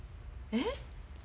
えっ？